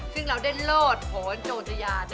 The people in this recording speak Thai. ซึ่งเราได้โลดผลโจทยา